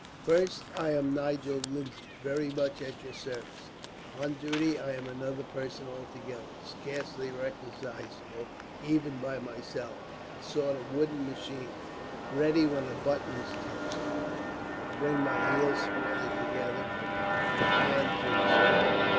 First, I am Nigel Lindsay, very much at your service. On duty I am another person altogether, scarcely recognizable even by myself a sort of wooden machine, ready, when a button is touched, to bring my heels smartly together, and my hand to the salute.